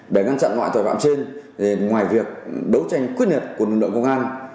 để ngăn chặn loại tội phạm trên ngoài việc đấu tranh quyết liệt của lực lượng công an